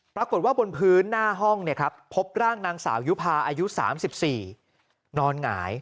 ปรากฏว่าบนพื้นหน้าห้องพบร่างนางสาวยุภาอายุ๓๔นอนหงาย